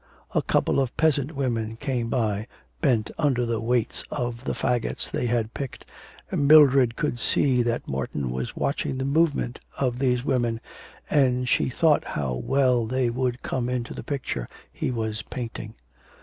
A couple of peasant women came by, bent under the weight of the faggots they had picked, and Mildred could see that Morton was watching the movement of these women, and she thought how well they would come into the picture he was painting.